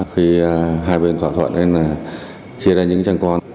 khi hai bên thỏa thuận chia ra những trang con